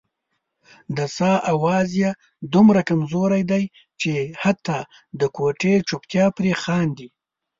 د ساه اواز یې دومره کمزوری دی چې حتا د کوټې چوپتیا پرې خاندي.